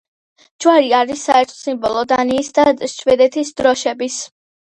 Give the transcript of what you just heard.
ჯვარი არის საერთო სიმბოლო დანიის და შვედეთის დროშების.